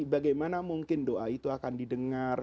bagaimana mungkin doa itu akan didengar